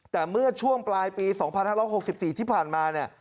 แต่เมื่อช่วงปลายปี๒๕๖๔ที่ผ่านมาเนี่ย